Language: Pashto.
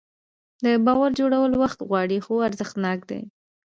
د باور جوړول وخت غواړي خو ارزښتناک دی.